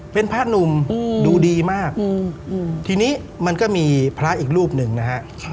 เป็นพระหนุ่มดูดีมากทีนี้มันก็มีพระอีกรูปหนึ่งนะฮะ